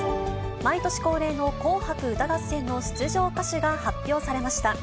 毎年恒例の紅白歌合戦の出場歌手が発表されました。